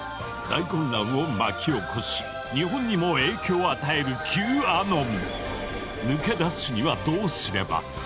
大混乱を巻き起こし日本にも影響を与える抜け出すにはどうすれば？